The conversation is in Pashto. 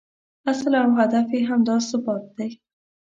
اصل او هدف یې همدا ثبات دی.